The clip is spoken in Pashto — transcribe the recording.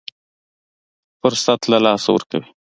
فرصت له لاسه ورکوي.